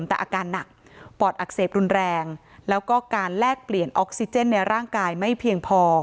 แต่อาการหนักปอดอักเสบรุนแรงแล้วก็การแลกเปลี่ยนออกซิเจนในร่างกายไม่เพียงพอ